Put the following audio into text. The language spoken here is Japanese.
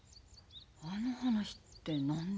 あの話って何ね？